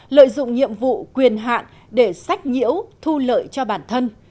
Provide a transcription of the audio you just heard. lợi dụng nhiệm vụ quyền hạn để sách nhiễu thu lợi cho bản thân